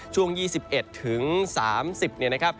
ช่วง๒๑ถึง๓๐เนี่ยนะครับ